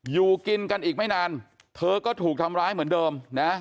อยู่กินกันอีกไม่นานเธอก็ถูกทำร้ายเหมือนเดิมนะ